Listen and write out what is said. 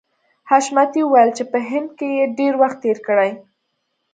حشمتي وویل چې په هند کې یې ډېر وخت تېر کړی